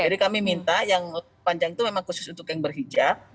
jadi kami minta yang panjang itu memang khusus untuk yang berhijab